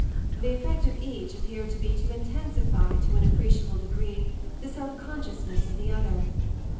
The effect of each appeared to be to intensify to an appreciable degree the self consciousness of the other.